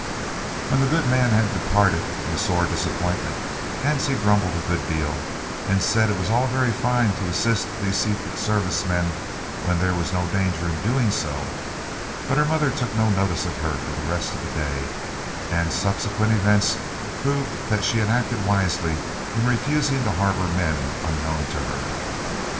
When the good man had departed, in sore disappointment, Hansie grumbled a good deal and said it was all very fine to assist these Secret Service men when there was no danger in doing so, but her mother took no notice of her for the rest of the day, and subsequent events proved that she had acted wisely in refusing to harbour men unknown to her.